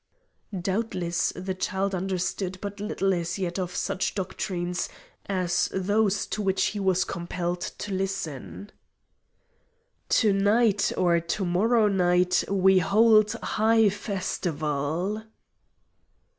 Doubtless the child understood but little as yet of such doctrines as those to which he was compelled to listen. "To night or to morrow we hold high festival!"